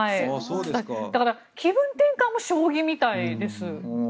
だから気分転換も将棋みたいです。